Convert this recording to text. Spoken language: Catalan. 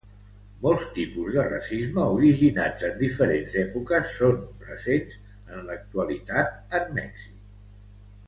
Molts tipus de racisme originats en diferents èpoques són presents en l'actualitat en Mèxic.